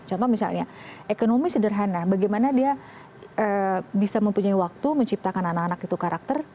contoh misalnya ekonomi sederhana bagaimana dia bisa mempunyai waktu menciptakan anak anak itu karakter